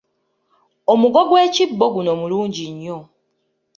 Omugo gw’ekibbo guno mulungi nnyo.